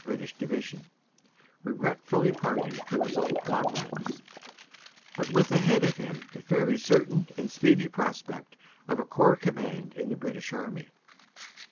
British Divi sion, regretfully parting from his old comrades, but with ahead of him the fairly certain and speedy prospect of a Corps Command in the British Army.